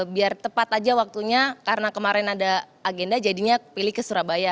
biar tepat aja waktunya karena kemarin ada agenda jadinya pilih ke surabaya